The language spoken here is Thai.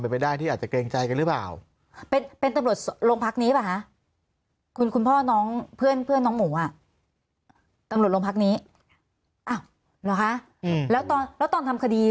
เพื่อนน้องหมูอ่ะตำรวจโรงพักนี้อ้าวหรอคะอืมแล้วตอนแล้วตอนทำคดี